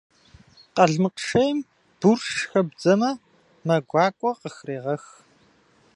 Къалмыкъ шейм бурш хэбдзэмэ, мэ гуакӏуэ къыхрегъэх.